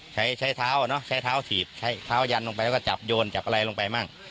ใช้เท้าเนอะใช้เท้าถีบเท้ายันลงไปแล้วก็จับโยนจับอะไรลงไปบ้าง